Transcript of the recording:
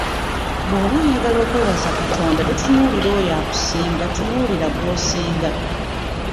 Bw'oba oyagala kwebaza Katonda totunuulira oyo akusinga tunuulira gw'osinga.